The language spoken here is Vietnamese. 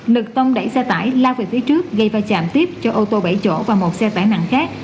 lực tông đẩy xe tải lao về phía trước gây va chạm tiếp cho ô tô bảy chỗ và một xe tải nặng khác